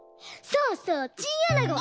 そうそうチンアナゴ！